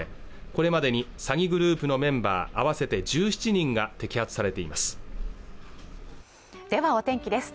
これまでに詐欺グループのメンバー合わせて１７人が摘発されていますではお天気です